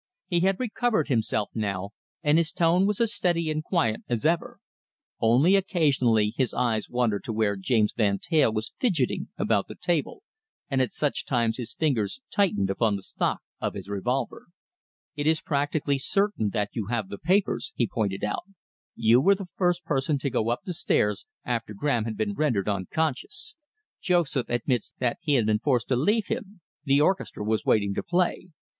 He had recovered himself now, and his tone was as steady and quiet as ever. Only occasionally his eyes wandered to where James Van Teyl was fidgetting about the table, and at such times his fingers tightened upon the stock of his revolver. "It is practically certain that you have the papers," he pointed out. "You were the first person to go up the stairs after Graham had been rendered unconscious. Joseph admits that he had been forced to leave him the orchestra was waiting to play.